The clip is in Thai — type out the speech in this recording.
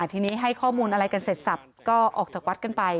ทีนี้ให้ข้อมูลอะไรกันเสร็จสับก็ออกจากวัดกันไป